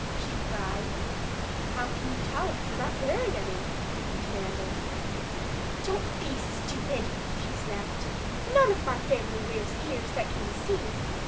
she cried. "How can you tell if you've never tried wearing any?" he demanded. "Don't be stupid!" she snapped. "None of my family wears ears that can be seen.